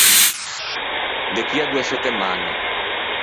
De chì à doe settemañe.